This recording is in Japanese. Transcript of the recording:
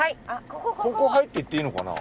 ここ入っていっていいのかな？